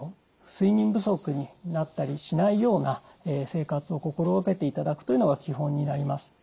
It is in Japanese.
睡眠不足になったりしないような生活を心掛けていただくというのが基本になります。